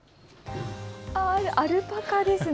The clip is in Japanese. アルパカですね。